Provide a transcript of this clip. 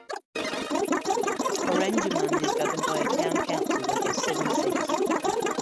Oranjemund is governed by a town council that has seven seats.